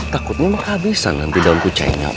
takutnya mah habisan nanti daun kucainya